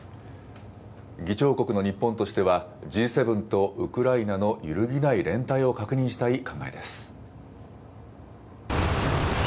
議長国の日本としては、Ｇ７とウクライナの揺るぎない連帯を確認したい考えです。